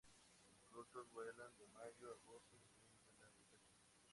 Los adultos vuelan de mayo a agosto, dependiendo de la ubicación.